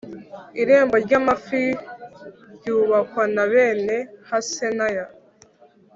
Irembo ry amafi ryubakwa na bene Hasenaya